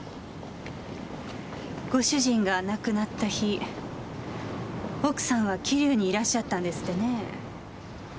ご主人が亡くなった日奥さんは桐生にいらっしゃったんですってね？